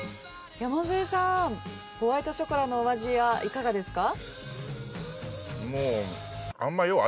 山添さんホワイトショコラのお味はいかがですか？